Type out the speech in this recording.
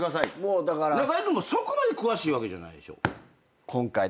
中居君もそこまで詳しいわけじゃないでしょ？